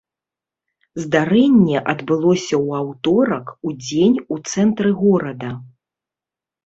Здарэнне адбылося ў аўторак удзень у цэнтры горада.